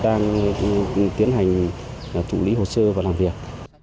đang tiến hành thụ lý hồ sơ và làm việc